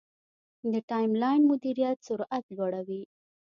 د ټایملاین مدیریت سرعت لوړوي.